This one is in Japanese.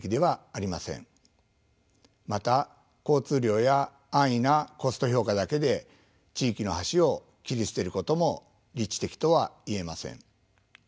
また交通量や安易なコスト評価だけで地域の橋を切り捨てることも理知的とは言えません。